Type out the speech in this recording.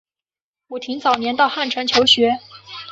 武亭早年到汉城求学。